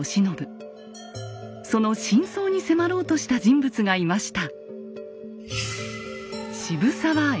その真相に迫ろうとした人物がいました。